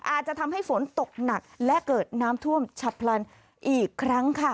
อาจจะทำให้ฝนตกหนักและเกิดน้ำท่วมฉับพลันอีกครั้งค่ะ